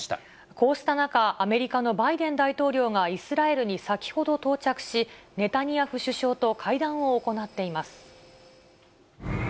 こうした中、アメリカのバイデン大統領がイスラエルに先ほど到着し、ネタニヤフ首相と会談を行っています。